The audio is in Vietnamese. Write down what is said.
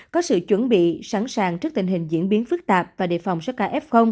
có sự chuẩn bị sẵn sàng trước tình hình diễn biến phức tạp và đề phòng sức ca f